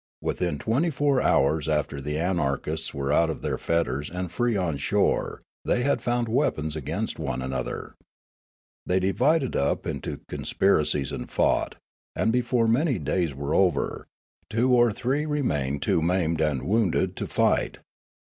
Within twenty four hours after the anarchists were out of their fetters and free on shore they had found weapons against one another. They divided up into conspira cies and fought, and before many days were over, two or three remained too maimed and wounded to fight.